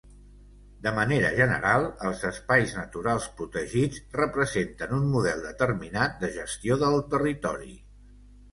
De manera general, els espais naturals protegits representen un model determinat de gestió del territori.